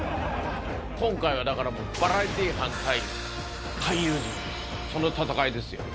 今回はだから、もうバラエティー班ｖｓ俳優というその戦いですよ。